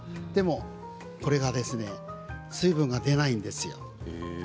でも、これがですね水分が出ないんですよ。